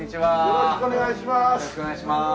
よろしくお願いします。